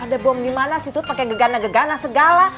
ada bom dimana sih tuh pake gegana gegana segala